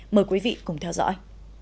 mời quý vị cùng theo dõi